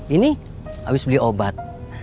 ini habis beli obat